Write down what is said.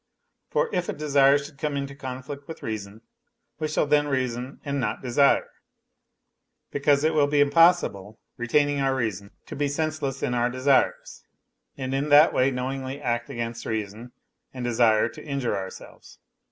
For if a desire should come into conflict with reason we shall then reason and not desire, because it will be impossible retaining our reason to be senseless in our desires, and in that way knowingly act against reason and desire to injure ourselves.